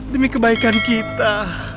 demi kebaikan kita